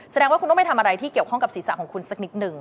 แสดงว่าคุณต้องไปทำอะไรที่เกี่ยวข้องกับศีรษะของคุณสักนิดหนึ่ง